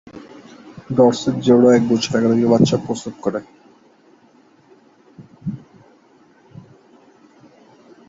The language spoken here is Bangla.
ডরসেট ভেড়া এক বছরে একাধিকবার বাচ্চা প্রসব করে।